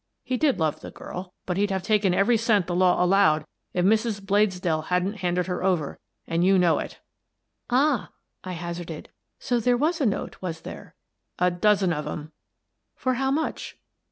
He did love the girl, but he'd have taken every cent the law allowed if Mrs. Bladesdell hadn't handed her over — and you know it." "Ah," I hazarded, "so there was a note, was there?" " A dozen of 'em." "For how much?"